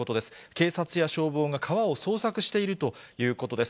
警察や消防が川を捜索しているということです。